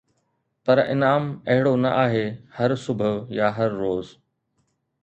پر انعام اهڙو نه آهي هر صبح يا هر روز